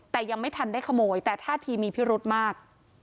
แต่ยังไม่ทันได้ขโมยแต่ท่าทีมีพิรุธมาก